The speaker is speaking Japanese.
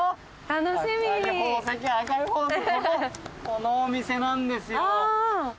このお店なんですよ。